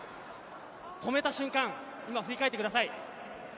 止めた瞬間を振り返ってください。